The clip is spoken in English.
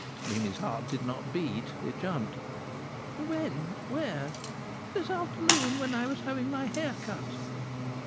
Mimi's heart did not beat, it jumped. "When? Where?" "This afternoon, when I was having my hair cut."